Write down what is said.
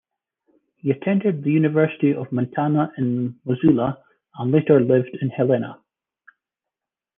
He attended the University of Montana in Missoula and later lived in Helena.